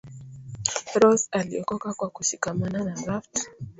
rose aliokoka kwa kushikamana na raft